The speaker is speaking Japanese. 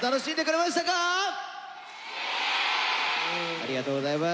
ありがとうございます。